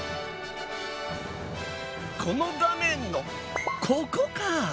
この画面のここか！